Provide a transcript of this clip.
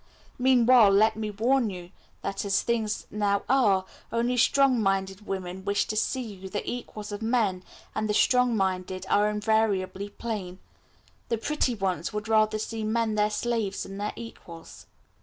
Meanwhile, let me warn you that, as things now are, only strong minded women wish to see you the equals of men, and the strong minded are invariably plain. The pretty ones would rather see men their slaves than their equals."